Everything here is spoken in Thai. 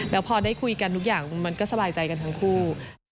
แล้วพอได้คุยกันทุกอย่างมันก็สบายใจกันทั้งคู่